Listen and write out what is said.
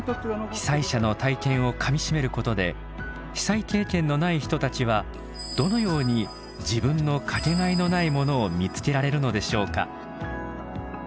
被災者の体験をかみしめることで被災経験のない人たちはどのように自分のかけがえのないものを見つけられるのでしょうか。